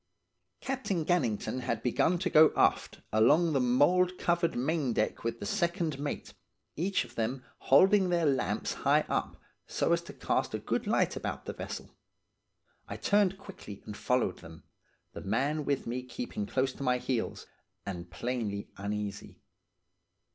"Captain Gannington had begun to go aft along the mould covered main deck with the second mate, each of them holding their lamps high up, so as to cast a good light about the vessel. I turned quickly and followed them, the man with me keeping close to my heels, and plainly uneasy.